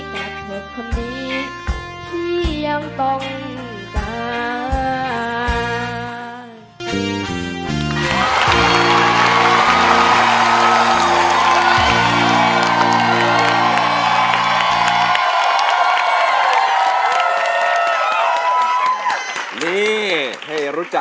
กับเธอความดีที่ยังต้องจ้า